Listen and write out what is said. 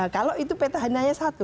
kalau itu petahannya satu